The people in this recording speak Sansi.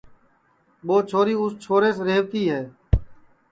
ٻو چھوری اُس چھوریس ریہوَتی ہے